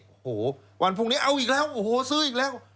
โอ้โหวันพรุ่งนี้เอาอีกแล้วโอ้โหซื้ออีกแล้ว